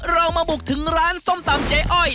เรามาบุกถึงร้านส้มตำเจ๊อ้อย